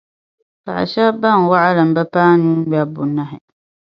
Paɣa shɛb’ bɛn waɣilim bi paai nuu ŋmɛbu bunahi.